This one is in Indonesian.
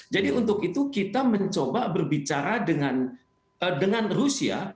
jadi untuk itu kita mencoba berbicara dengan rusia